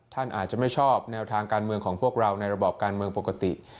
ท่านอาจจะไม่ชอบแนวทางการเมืองของพวกเราในระบอบการเมืองปกติ